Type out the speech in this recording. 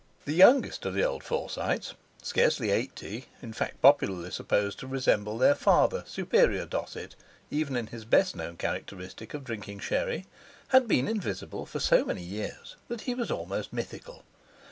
The youngest of the old Forsytes—scarcely eighty, in fact popularly supposed to resemble their father, "Superior Dosset," even in his best known characteristic of drinking Sherry—had been invisible for so many years that he was almost mythical.